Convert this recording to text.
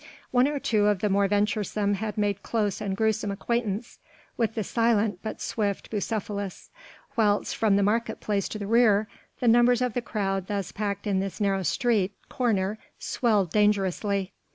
One or two of the more venturesome had made close and gruesome acquaintance with the silent but swift Bucephalus, whilst from the market place in the rear the numbers of the crowd thus packed in this narrow street corner swelled dangerously.